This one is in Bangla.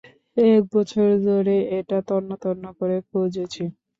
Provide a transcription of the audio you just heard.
এক বছর ধরে এটা তন্ন-তন্ন করে খুঁজেছি!